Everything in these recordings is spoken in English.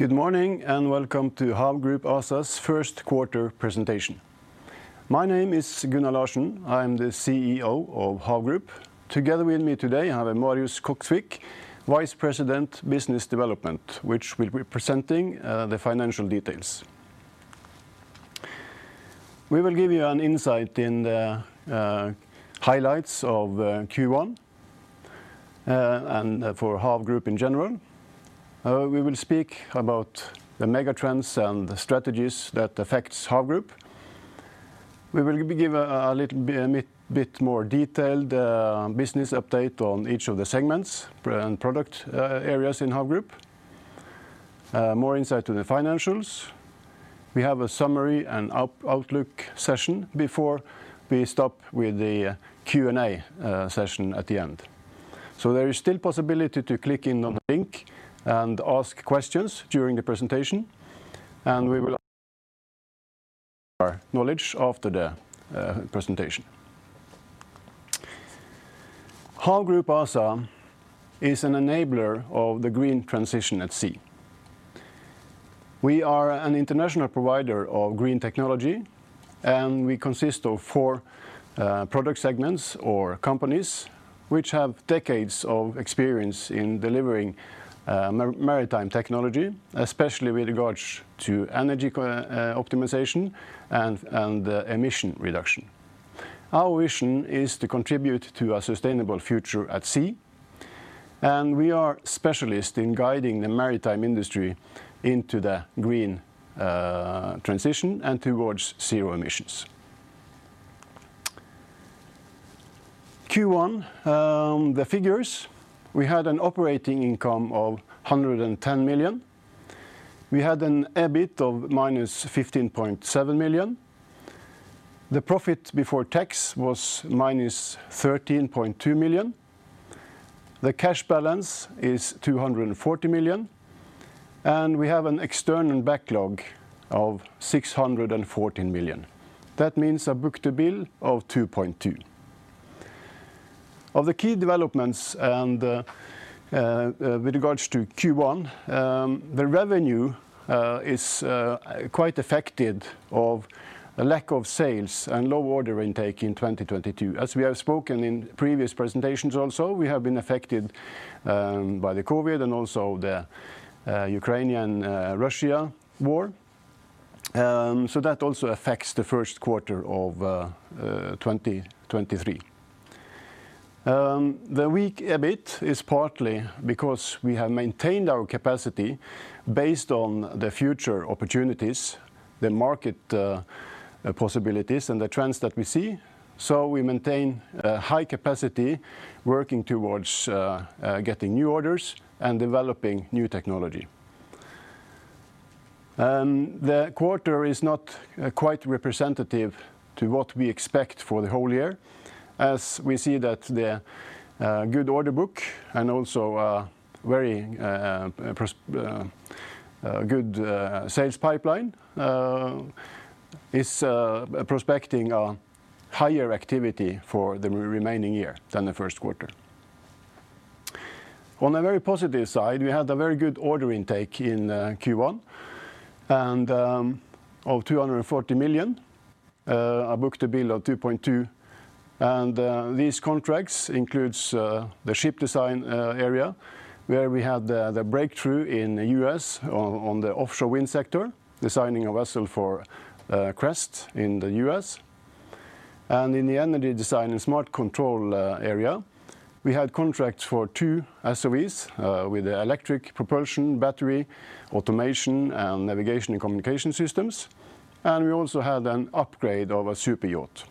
Good morning. Welcome to Hav Group ASA's Q1 presentation. My name is Gunnar Larsen. I am the CEO of Hav Group. Together with me today, I have Marius Koksvik, Vice President, Business Development, which will be presenting the financial details. We will give you an insight in the highlights of Q1 and for Hav Group in general. We will speak about the mega trends and the strategies that affects Hav Group. We will give a little bit more detailed business update on each of the segments and product areas in Hav Group. More insight to the financials. We have a summary and outlook session before we start with the Q&A session at the end. There is still possibility to click in on the link and ask questions during the presentation, and we will our knowledge after the presentation. Hav Group ASA is an enabler of the green transition at sea. We are an international provider of green technology, and we consist of four product segments or companies which have decades of experience in delivering maritime technology, especially with regards to energy optimization and emission reduction. Our vision is to contribute to a sustainable future at sea, and we are specialist in guiding the maritime industry into the green transition and towards zero emissions. Q1, the figures, we had an operating income of 110 million. We had an EBIT of -15.7 million. The profit before tax was -13.2 million. The cash balance is 240 million. We have an external backlog of 614 million. That means a book-to-bill of 2.2. Of the key developments with regards to Q1, the revenue is quite affected of a lack of sales and low order intake in 2022. As we have spoken in previous presentations also, we have been affected by the COVID and also the Ukrainian Russia war, so that also affects the Q1 of 2023. The weak EBIT is partly because we have maintained our capacity based on the future opportunities, the market possibilities, and the trends that we see. We maintain a high capacity working towards getting new orders and developing new technology. The quarter is not quite representative to what we expect for the whole year, as we see that the good order book and also a very good sales pipeline is prospecting a higher activity for the remaining year than the Q1. On a very positive side, we had a very good order intake in Q1 and of 240 million, a book-to-bill of 2.2, and these contracts includes the ship design area, where we had the breakthrough in the US on the offshore wind sector, designing a vessel for Crest in the US. In the energy design and smart control area, we had contracts for two SOVs with electric propulsion, battery, automation, and navigation and communication systems, and we also had an upgrade of a superyacht.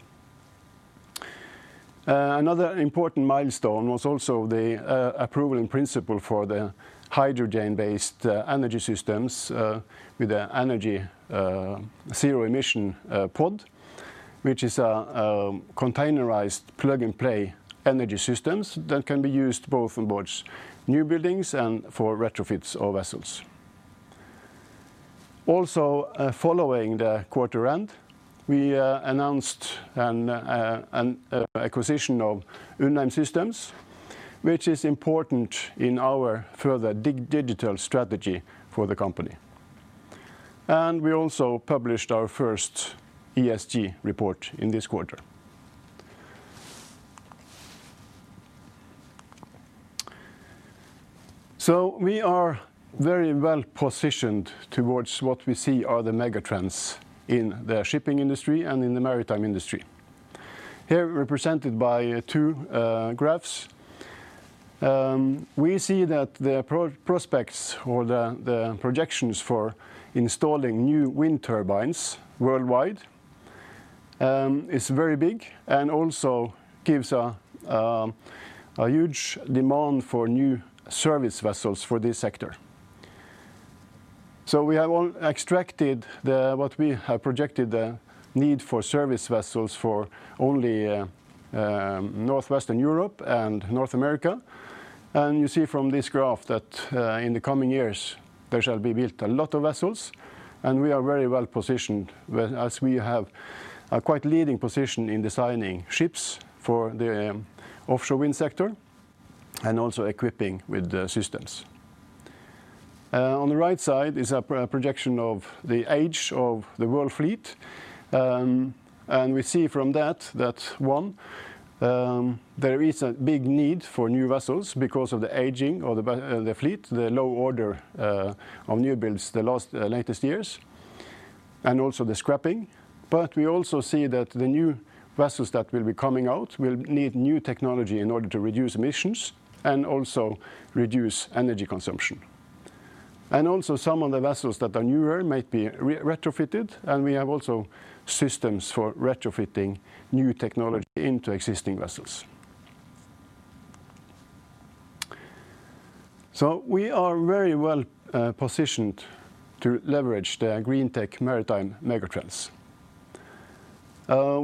Another important milestone was also the approval in principle for the hydrogen-based energy systems with the energy Zero Emission Pod, which is a containerized plug-and-play energy systems that can be used both on board's new buildings and for retrofits of vessels. Following the quarter end, we announced an acquisition of Undheim Systems, which is important in our further digital strategy for the company. We also published our first ESG report in this quarter. We are very well positioned towards what we see are the mega trends in the shipping industry and in the maritime industry. Here, represented by 2 graphs, we see that the prospects or the projections for installing new wind turbines worldwide is very big and also gives a huge demand for new service vessels for this sector. We have extracted what we have projected the need for service vessels for only Northwestern Europe and North America. You see from this graph that in the coming years there shall be built a lot of vessels, and we are very well positioned, as we have a quite leading position in designing ships for the offshore wind sector and also equipping with the systems. On the right side is a projection of the age of the world fleet. We see from that one, there is a big need for new vessels because of the aging of the fleet, the low order of new builds the last latest years, and also the scrapping. We also see that the new vessels that will be coming out will need new technology in order to reduce emissions and also reduce energy consumption. Also some of the vessels that are newer might be retrofitted, and we have also systems for retrofitting new technology into existing vessels. We are very well positioned to leverage the green tech maritime megatrends.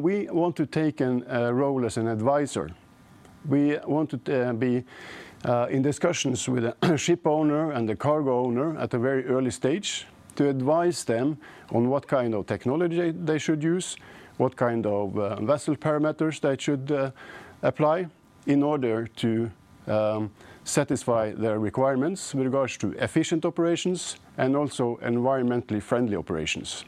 We want to take an role as an advisor. We want to be in discussions with a ship owner and a cargo owner at a very early stage to advise them on what kind of technology they should use, what kind of vessel parameters they should apply in order to satisfy their requirements with regards to efficient operations and also environmentally friendly operations.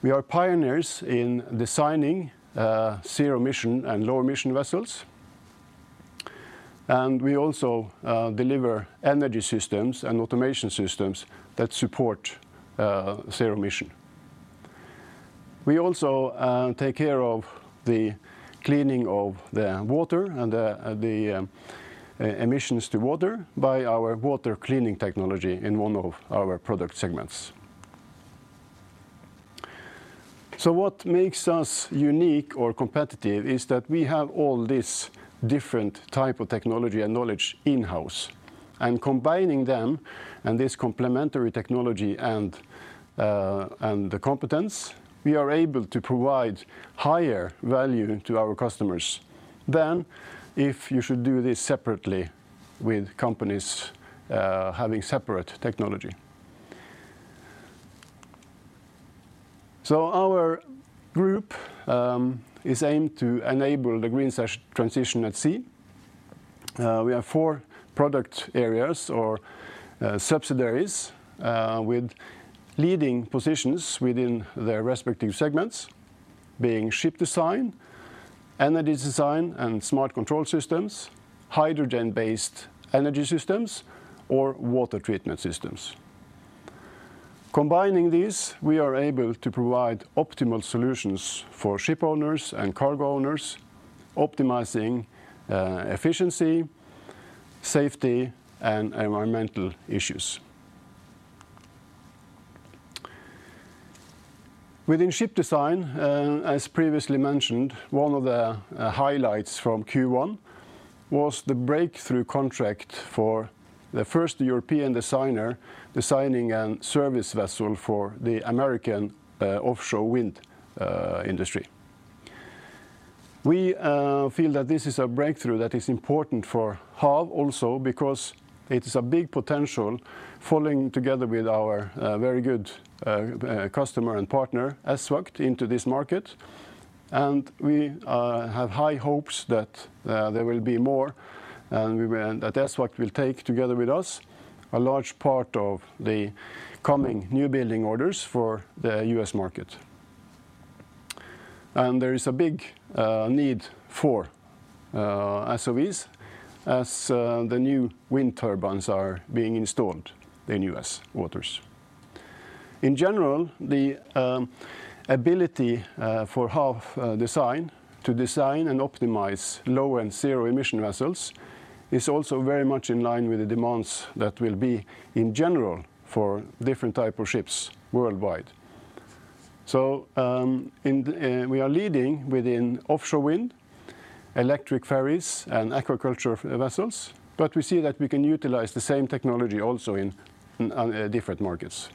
We are pioneers in designing zero emission and low emission vessels, we also deliver energy systems and automation systems that support zero emission. We also take care of the cleaning of the water and the emissions to water by our water cleaning technology in one of our product segments. What makes us unique or competitive is that we have all this different type of technology and knowledge in-house, and combining them and this complementary technology and the competence, we are able to provide higher value to our customers than if you should do this separately with companies having separate technology. Our group is aimed to enable the green trans-transition at sea. We have four product areas or subsidiaries with leading positions within their respective segments, being ship design, energy design and smart control systems, hydrogen-based energy systems, or water treatment systems. Combining these, we are able to provide optimal solutions for ship owners and cargo owners, optimizing efficiency, safety, and environmental issues. Within ship design, as previously mentioned, one of the highlights from Q1 was the breakthrough contract for the first European designer designing a service vessel for the American offshore wind industry. We feel that this is a breakthrough that is important for HAV also because it is a big potential falling together with our very good customer and partner, ESVAGT, into this market. And we have high hopes that there will be more and that ESVAGT will take together with us a large part of the coming new building orders for the US market. And there is a big need for SOVs as the new wind turbines are being installed in US waters. In general, the ability for HAV Design to design and optimize low and zero-emission vessels is also very much in line with the demands that will be in general for different type of ships worldwide. We are leading within offshore wind, electric ferries, and aquaculture vessels, but we see that we can utilize the same technology also on different markets.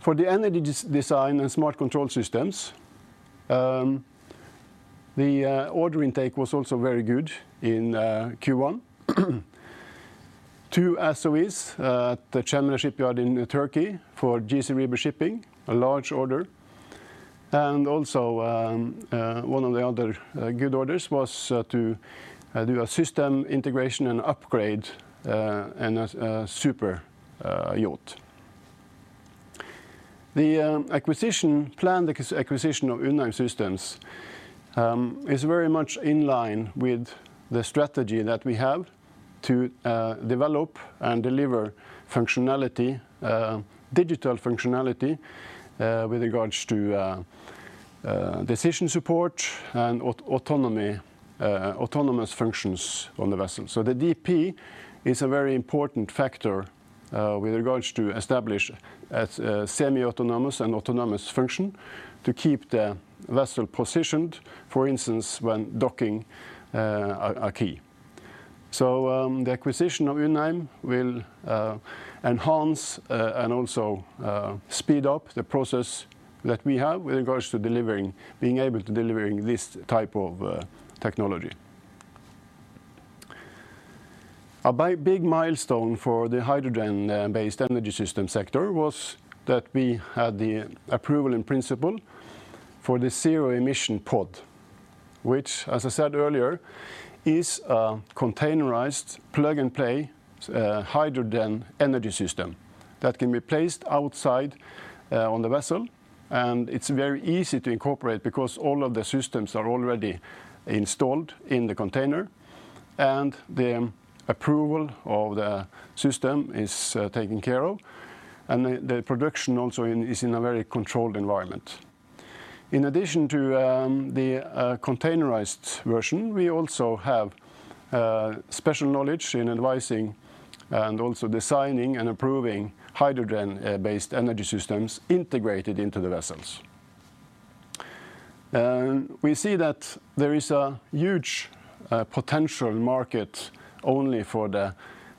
For the energy design and smart control systems, the order intake was also very good in Q1. 2 SOVs at the Cemre Shipyard in Turkey for GC Rieber Shipping, a large order. Also, one of the other good orders was to do a system integration and upgrade in a super yacht. The acquisition plan, the acquisition of Undheim Systems, is very much in line with the strategy that we have to develop and deliver functionality, digital functionality, with regards to decision support and autonomy, autonomous functions on the vessel. The DP is a very important factor with regards to establish semi-autonomous and autonomous function to keep the vessel positioned, for instance, when docking, a key. The acquisition of Undheim will enhance and also speed up the process that we have with regards to delivering, being able to delivering this type of technology. A big milestone for the hydrogen based energy system sector was that we had the approval in principle for the Zero Emission Pod, which, as I said earlier, is a containerized plug-and-play hydrogen energy system that can be placed outside on the vessel, and it's very easy to incorporate because all of the systems are already installed in the container and the approval of the system is taken care of, and the production also is in a very controlled environment. In addition to the containerized version, we also have special knowledge in advising and also designing and approving hydrogen based energy systems integrated into the vessels. We see that there is a huge potential market only for the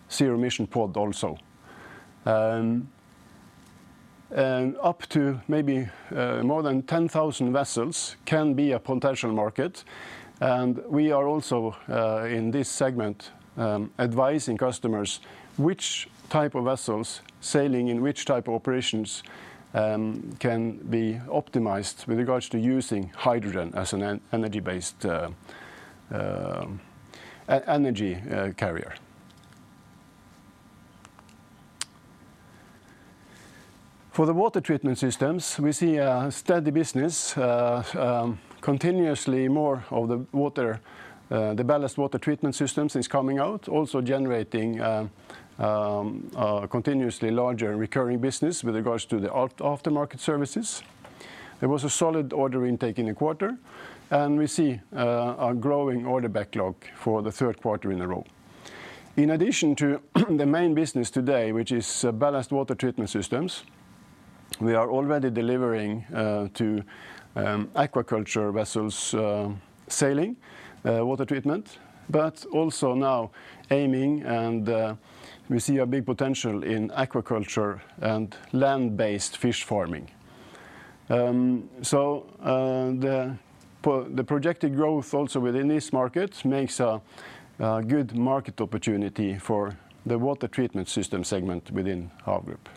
Zero Emission Pod also. Up to maybe, 10,000 vessels can be a potential market. We are also in this segment, advising customers which type of vessels sailing in which type of operations, can be optimized with regards to using hydrogen as an energy based energy carrier. For the ballast water treatment systems, we see a steady business, continuously more of the ballast water treatment systems is coming out, also generating continuously larger recurring business with regards to the aftermarket services. There was a solid order intake in the quarter. We see a growing order backlog for the Q3 in a row. In addition to the main business today, which is ballast water treatment systems, we are already delivering to aquaculture vessels, sailing water treatment, but also now aiming and we see a big potential in aquaculture and land-based fish farming. The projected growth also within this market makes a good market opportunity for the water treatment system segment within our group.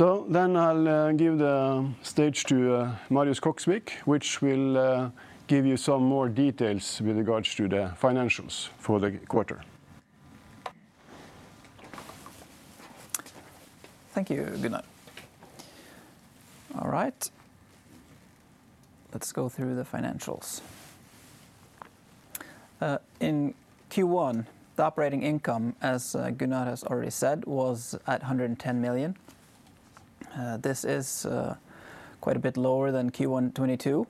I'll give the stage to Marius Koksvik, which will give you some more details with regards to the financials for the quarter. Thank you, Gunnar. All right. Let's go through the financials. In Q1, the operating income, as Gunnar has already said, was at 110 million. This is quite a bit lower than Q1 2022,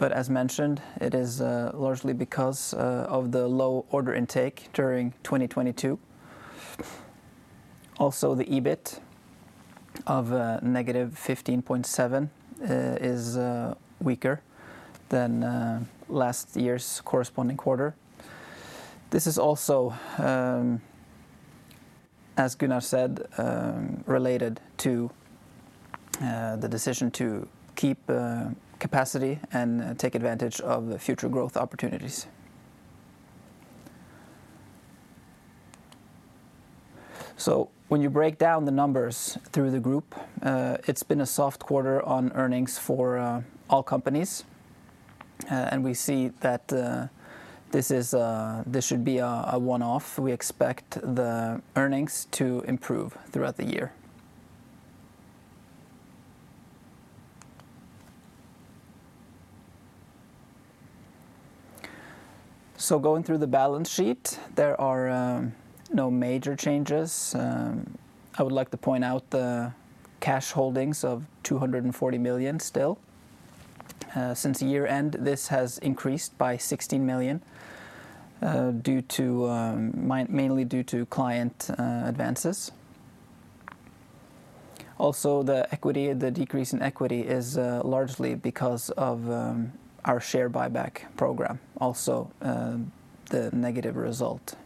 as mentioned, it is largely because of the low order intake during 2022. The EBIT of -15.7 is weaker than last year's corresponding quarter. This is also, as Gunnar said, related to the decision to keep capacity and take advantage of the future growth opportunities. When you break down the numbers through the group, it's been a soft quarter on earnings for all companies, and we see that this should be a one-off. We expect the earnings to improve throughout the year. Going through the balance sheet, there are no major changes. I would like to point out the cash holdings of 240 million still. Since year-end, this has increased by 16 million, due to mainly due to client advances. The equity, the decrease in equity is largely because of our share buyback program, also, the negative result.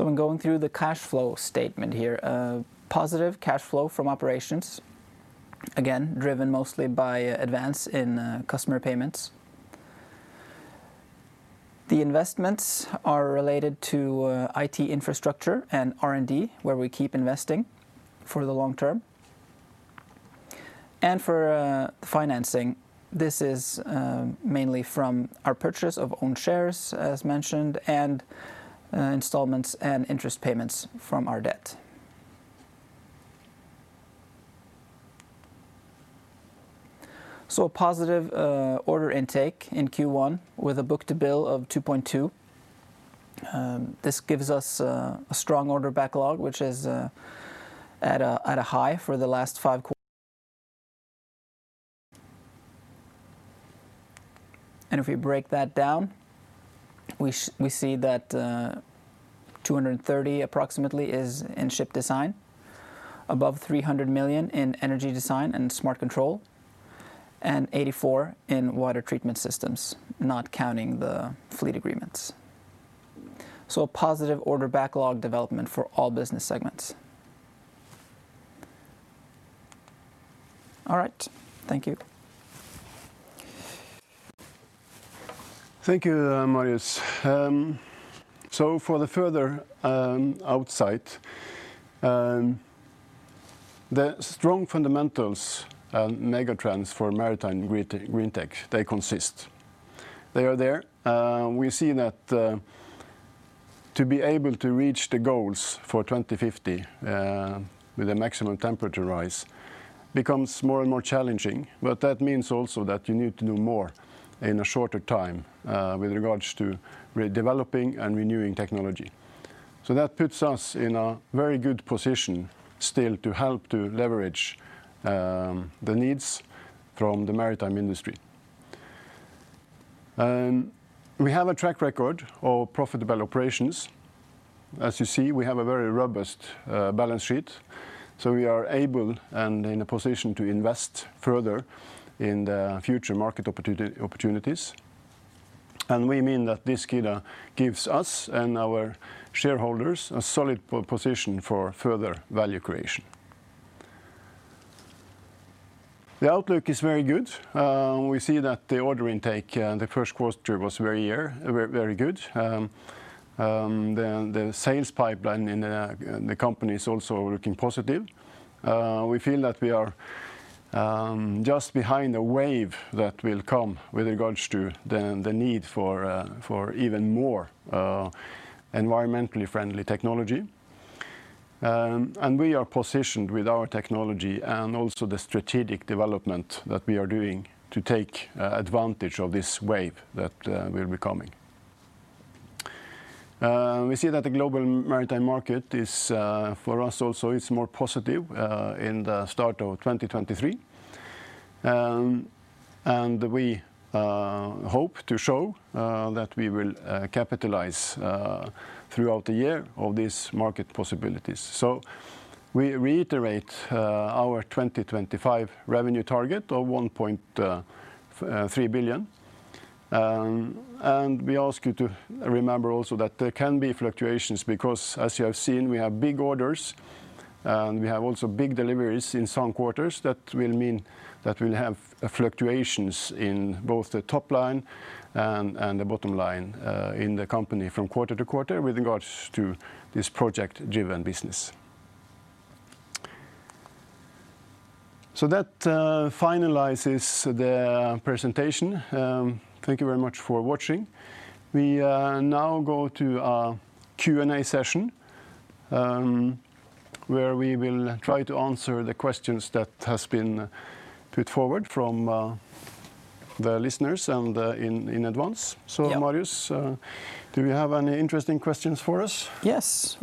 In going through the cash flow statement here, a positive cash flow from operations, again, driven mostly by advance in customer payments. The investments are related to IT infrastructure and R&D, where we keep investing for the long term. For financing, this is mainly from our purchase of own shares, as mentioned, and installments and interest payments from our debt. A positive order intake in Q1 with a book-to-bill of 2.2. This gives us a strong order backlog, which is at a high for the last five. If we break that down, we see that 230 million approximately is in ship design, above 300 million in energy design and smart control, and 84 million in water treatment systems, not counting the fleet agreements. A positive order backlog development for all business segments. All right. Thank you. Thank you, Marius. For the further, outside, the strong fundamentals and mega trends for maritime green tech, they consist. They are there. We've seen that to be able to reach the goals for 2050, with a maximum temperature rise becomes more and more challenging. That means also that you need to do more in a shorter time, with regards to redeveloping and renewing technology. That puts us in a very good position still to help to leverage the needs from the maritime industry. We have a track record of profitable operations. As you see, we have a very robust balance sheet, so we are able and in a position to invest further in the future market opportunities. We mean that this, kinda, gives us and our shareholders a solid position for further value creation. The outlook is very good. We see that the order intake in the Q1 was very, very good. The sales pipeline in the company is also looking positive. We feel that we are just behind the wave that will come with regards to the need for even more environmentally friendly technology. We are positioned with our technology and also the strategic development that we are doing to take advantage of this wave that will be coming. We see that the global maritime market is for us also is more positive in the start of 2023. We hope to show that we will capitalize throughout the year of these market possibilities. We reiterate our 2025 revenue target of 1.3 billion. We ask you to remember also that there can be fluctuations because as you have seen, we have big orders, and we have also big deliveries in some quarters that will mean that we'll have fluctuations in both the top line and the bottom line in the company from quarter to quarter with regards to this project-driven business. That finalizes the presentation. Thank you very much for watching. We now go to our Q&A session, where we will try to answer the questions that has been put forward from the listeners and in advance. Yeah. Marius, do you have any interesting questions for us? Yes,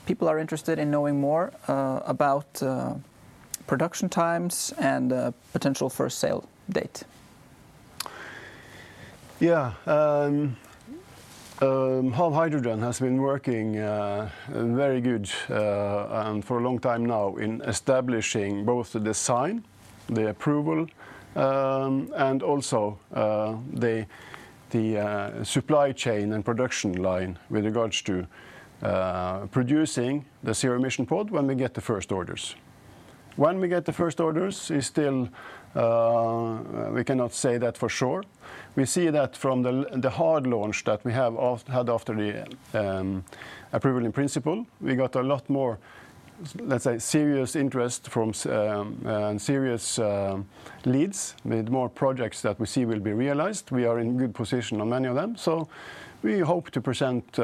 we do. I can read them up here from the screen. We have a question about the Zero Pod. People are interested in knowing more about production times and potential first sale date. Yeah. Hav Group has been working very good and for a long time now in establishing both the design, the approval, and also the supply chain and production line with regards to producing the Zero Emission Pod when we get the first orders. When we get the first orders is still, we cannot say that for sure. We see that from the hard launch that we had after the approval in principle, we got a lot more, let's say, serious interest from serious leads with more projects that we see will be realized. We are in good position on many of them. We hope to present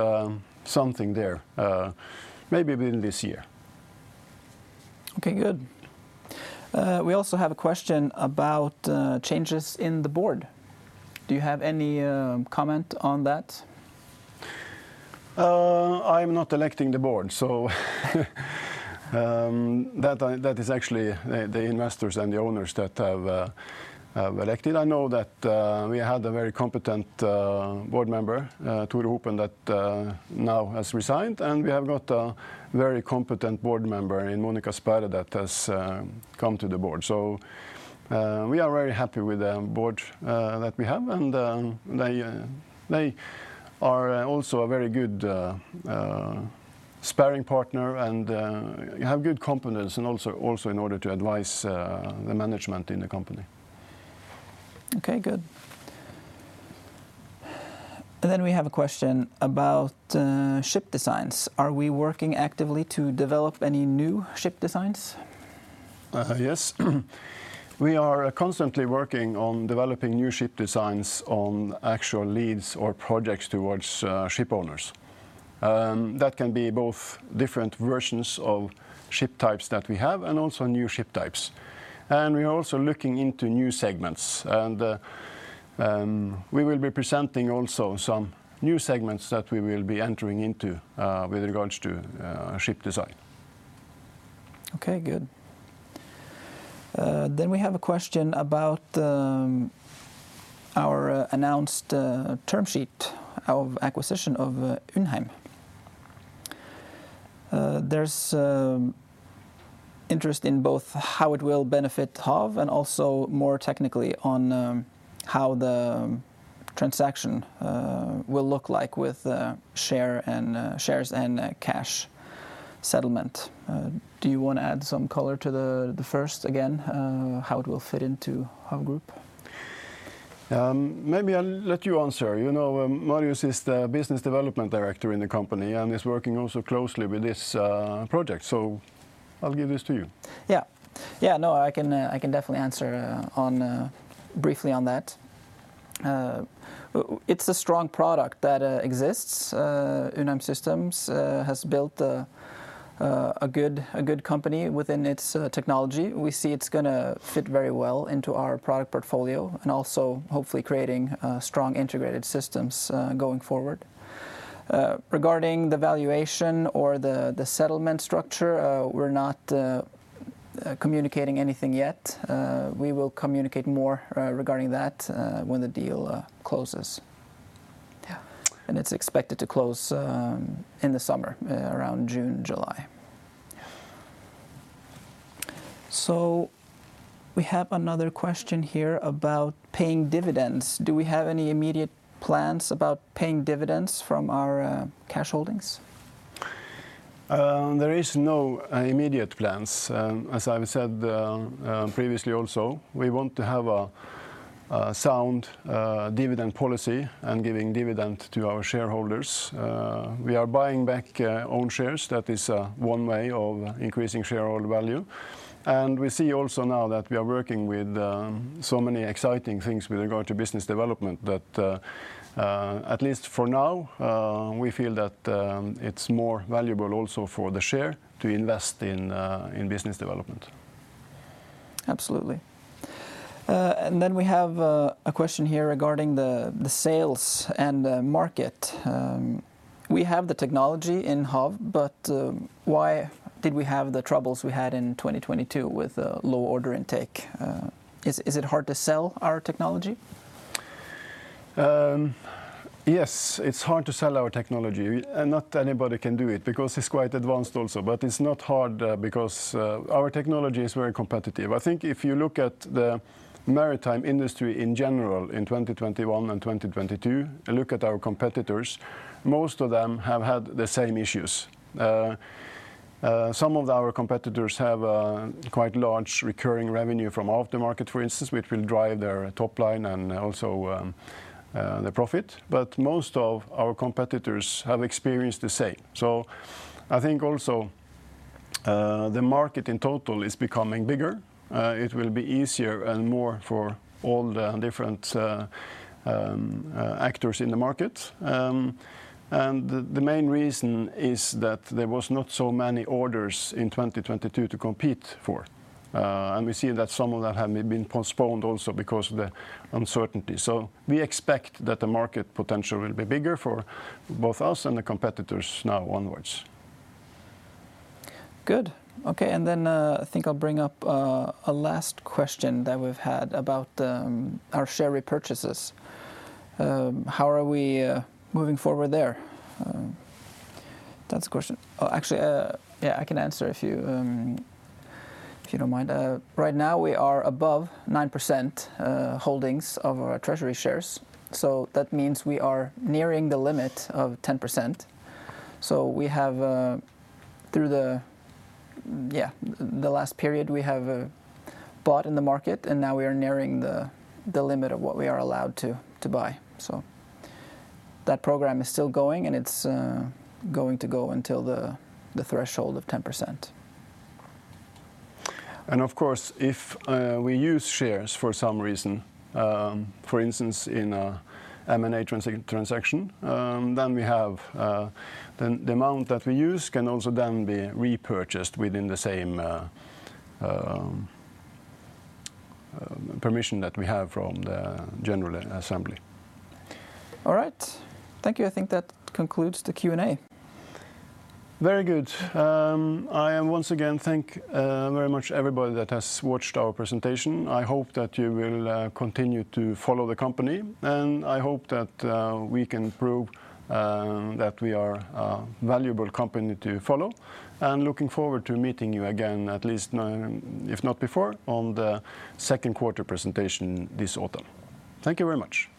something there maybe within this year. Okay, good. We also have a question about changes in the board. Do you have any comment on that? I'm not electing the board, that is actually the investors and the owners that have elected. I know that we had a very competent board member, Tore Hopen, that now has resigned, and we have got a very competent board member in Monica Spera that has come to the board. We are very happy with the board that we have, and they are also a very good sparring partner and have good competence and also in order to advise the management in the company. Okay, good. Then we have a question about ship designs. Are we working actively to develop any new ship designs? Yes. We are constantly working on developing new ship designs on actual leads or projects towards ship owners. That can be both different versions of ship types that we have and also new ship types. We're also looking into new segments, and we will be presenting also some new segments that we will be entering into with regards to ship design. Okay, good. We have a question about our announced term sheet of acquisition of Undheim. There's interest in both how it will benefit Hav, and also more technically on how the transaction will look like with the share and shares and cash settlement. Do you wanna add some color to the first again, how it will fit into Hav Group? Maybe I'll let you answer. You know, Marius is the Business Development Director in the company and is working also closely with this project. I'll give this to you. I can definitely answer on briefly on that. It's a strong product that exists. Undheim Systems AS has built a good company within its technology. We see it's gonna fit very well into our product portfolio, and also hopefully creating strong integrated systems going forward. Regarding the valuation or the settlement structure, we're not communicating anything yet. We will communicate more regarding that when the deal closes. It's expected to close in the summer, around June, July. We have another question here about paying dividends. Do we have any immediate plans about paying dividends from our cash holdings? There is no immediate plans. As I've said, previously also, we want to have a sound dividend policy and giving dividend to our shareholders. We are buying back own shares. That is one way of increasing shareholder value. We see also now that we are working with so many exciting things with regard to business development that, at least for now, we feel that it's more valuable also for the share to invest in business development. Absolutely. Uh, and then we have, uh, a question here regarding the, the sales and the market. Um, we have the technology in Hav, but, uh, why did we have the troubles we had in twenty twenty-two with, uh, low order intake? Uh, is, is it hard to sell our technology? Yes, it's hard to sell our technology and not anybody can do it because it's quite advanced also, but it's not hard because our technology is very competitive. I think if you look at the maritime industry in general in 2021 and 2022, and look at our competitors, most of them have had the same issues. Some of our competitors have quite large recurring revenue from off the market, for instance, which will drive their top line and also the profit. Most of our competitors have experienced the same. I think also the market in total is becoming bigger. It will be easier and more for all the different actors in the market. The main reason is that there was not so many orders in 2022 to compete for, and we see that some of that had been postponed also because of the uncertainty. We expect that the market potential will be bigger for both us and the competitors now onwards. Good. Okay, I think I'll bring up a last question that we've had about our share repurchases. How are we moving forward there? That's the question. Oh, actually, yeah, I can answer if you don't mind. Right now we are above 9% holdings of our treasury shares, so that means we are nearing the limit of 10%. We have through the, yeah, the last period we have bought in the market, and now we are nearing the limit of what we are allowed to buy. That program is still going, and it's going to go until the threshold of 10%. Of course, if we use shares for some reason, for instance, in a M&A transaction, then we have, then the amount that we use can also then be repurchased within the same permission that we have from the general assembly. All right. Thank you. I think that concludes the Q&A. Very good. I once again thank very much everybody that has watched our presentation. I hope that you will continue to follow the company, and I hope that we can prove that we are a valuable company to follow. Looking forward to meeting you again, at least nine-- if not before, on the second quarter presentation this autumn. Thank you very much.